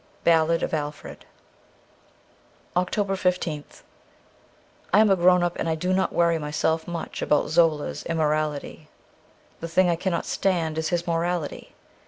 ' Ballad of Alfred: 320 OCTOBER 15th I AM grown up, and I do not worry myself much about Zola's immorality. The thing I cannot stand is his morality.